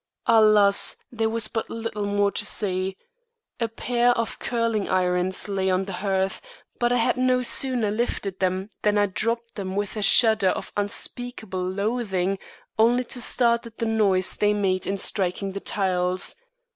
Alas! there was but little more to see. A pair of curling irons lay on the hearth, but I had no sooner lifted them than I dropped them with a shudder of unspeakable loathing, only to start at the noise they made in striking the tiles.